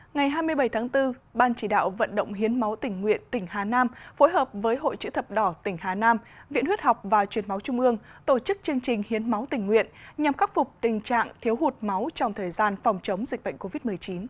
ngày hai mươi bảy tháng bốn ban chỉ đạo vận động hiến máu tỉnh nguyện tỉnh hà nam phối hợp với hội chữ thập đỏ tỉnh hà nam viện huyết học và truyền máu trung ương tổ chức chương trình hiến máu tình nguyện nhằm khắc phục tình trạng thiếu hụt máu trong thời gian phòng chống dịch bệnh covid một mươi chín